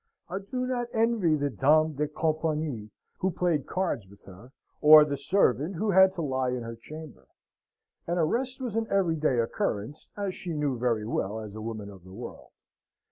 I do not envy the dame de compagnie who played cards with her, or the servant who had to lie in her chamber. An arrest was an everyday occurrence, as she knew very well as a woman of the world.